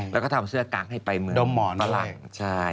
แล้วก็ทำเสื้อกั๊กให้ไปเมืองดมหมอนฝรั่ง